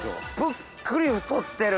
ぷっくり太ってる！